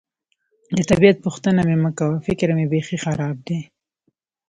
د طبیعت پوښتنه مې مه کوه، فکر مې بېخي خراب دی.